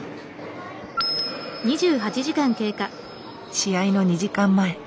試合の２時間前。